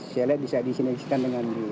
saya lihat bisa disimilisikan dengan bnn